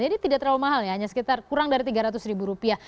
jadi tidak terlalu mahal ya hanya sekitar kurang dari tiga ratus rupiah